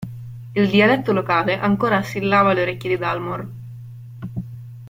Il dialetto locale ancora assillava le orecchie di Dalmor.